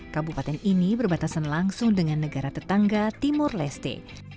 kabupaten ini berbatasan langsung dengan negara tetangga timur leste